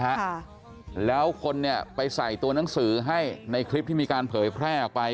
ค่ะแล้วคนเนี่ยไปใส่ตัวหนังสือให้ในคลิปที่มีการเผยแพร่ออกไป